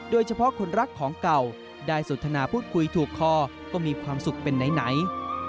โดยเฉพาะคนรักของเก่าได้สนทนาพูดคุยถูกคอก็มีความสุขเป็นไหน